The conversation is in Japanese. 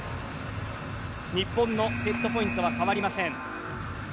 日本のセットポイントは変わりません。